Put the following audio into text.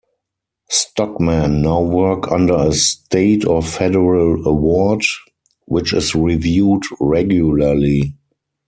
Stockmen now work under a state or federal award, which is reviewed regularly.